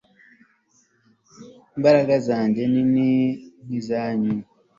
imbaraga zanjye nini nkizanyu